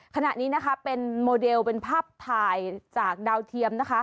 ขณะนี้เป็นโมเดลเป็นภาพถ่ายจากดาวเทียม